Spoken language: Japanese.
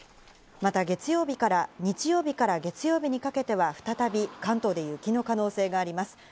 また、日曜日から月曜日にかけては再び関東で雪の可能性があります。